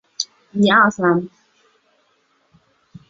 台湾企业总部部份聚集在台南都会区及嘉义都会区内。